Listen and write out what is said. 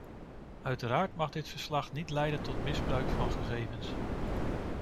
Uiteraard mag dit verslag niet leiden tot misbruik van gegevens.